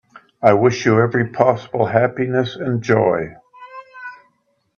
I wish you every possible happiness and joy.